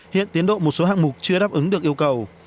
hiện tiến độ một số hạng mục chưa đáp ứng được yêu cầu